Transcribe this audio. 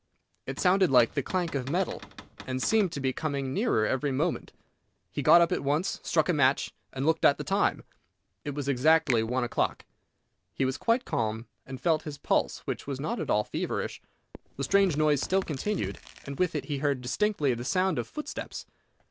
It sounded like the clank of metal, and seemed to be coming nearer every moment. He got up at once, struck a match, and looked at the time. It was exactly one o'clock. He was quite calm, and felt his pulse, which was not at all feverish. The strange noise still continued, and with it he heard distinctly the sound of footsteps.